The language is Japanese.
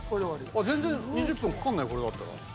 全然２０分かかんないこれだったら。